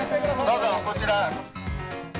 どうぞ、こちら。